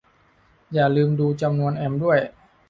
อย่าลืมดูจำนวนแอมป์ด้วย